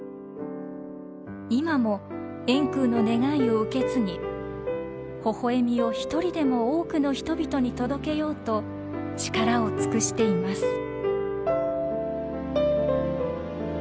今も円空の願いを受け継ぎほほえみを１人でも多くの人々に届けようと力を尽くしています。